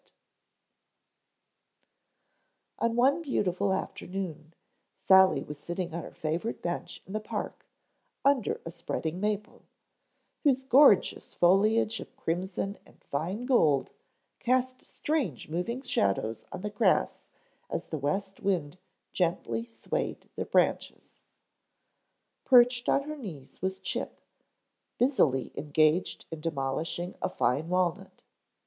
On one beautiful afternoon Sally was sitting on her favorite bench in the Park under a spreading maple, whose gorgeous foliage of crimson and fine gold cast strange moving shadows on the grass as the west wind gently swayed the branches. Perched on her knees was Chip, busily engaged in demolishing a fine walnut.